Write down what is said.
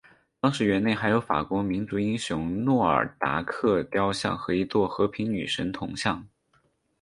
当时园内还有法国民族英雄诺尔达克塑像和一座和平女神铜像。